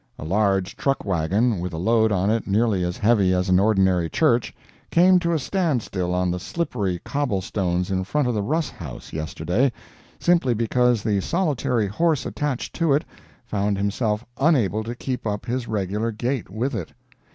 A large truck wagon, with a load on it nearly as heavy as an ordinary church, came to a stand still on the slippery cobble stones in front of the Russ House, yesterday, simply because the solitary horse attached to it found himself unable to keep up his regular gait with it.